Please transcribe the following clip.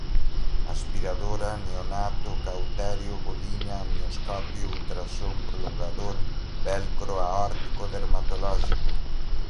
aspiradora, neonato, cautério, bolinha, amnioscópio, ultrassom, prolongador, velcro, aórtico, dermatológico